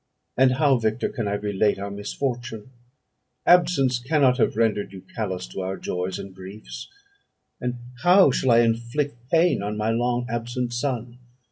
And how, Victor, can I relate our misfortune? Absence cannot have rendered you callous to our joys and griefs; and how shall I inflict pain on my long absent son?